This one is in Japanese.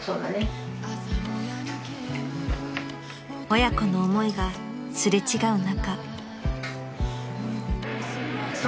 ［親子の思いが擦れ違う中］